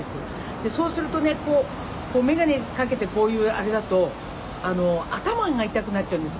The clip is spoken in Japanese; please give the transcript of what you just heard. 「でそうするとね眼鏡かけてこういうあれだと頭が痛くなっちゃうんです」